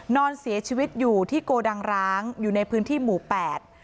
นอนเสียชีวิตอยู่ที่โกดังร้างอยู่ในพื้นที่หมู่แปด